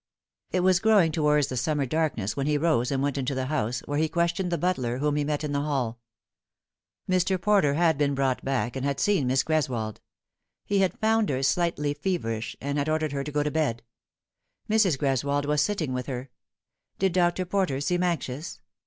It was growing towards the summer darkness when he rose and went into the house, where he questioned the butler, whom he met in the hall. Mr. Porter had been brought back, and had seen Miss Greswold. He had found her slightly feverish, and had ordered her to go to bed. Mrs. Greswold was sitting with her. Did Dr. Porter seem anxious